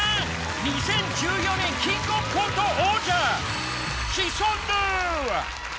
２０１４年キングオブコント王者、シソンヌ。